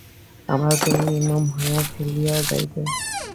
আমাদের তুমি নির্মম হইয়া ফেলিয়া যাইবে?